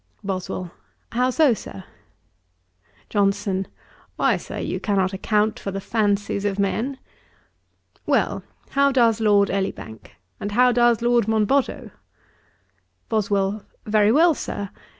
BOSWELL. 'How so, Sir?' JOHNSON. 'Why, Sir, you cannot account for the fancies of men. Well, how does Lord Elibank? and how does Lord Monboddo?' BOSWELL. 'Very well, Sir.